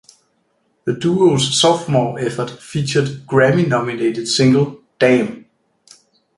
The duo's sophomore effort featured Grammy-nominated single Damn!